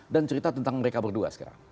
dan cerita tentang mereka berdua sekarang